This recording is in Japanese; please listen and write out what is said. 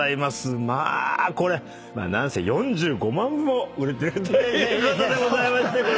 まあこれ何せ４５万部も売れてるということでございまして！